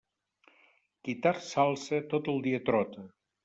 Qui tard s'alça, tot el dia trota.